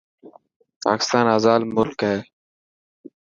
پاڪستان آزاد ملڪ هي.